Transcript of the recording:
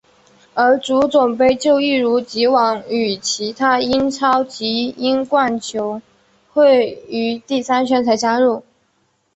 而足总杯就一如已往与其他英超及英冠球会于第三圈才加入。